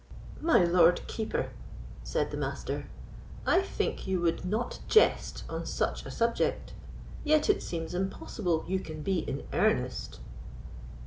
"My Lord Keeper," said the Master, "I think you would not jest on such a subject; yet it seems impossible you can be in earnest."